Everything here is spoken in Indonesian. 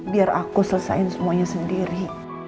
biar aku selesaiin semuanya sendiri